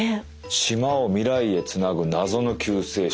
「島を未来へつなぐ謎の救世主」。